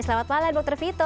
selamat malam dr vito